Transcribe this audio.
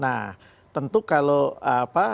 nah tentu kalau apa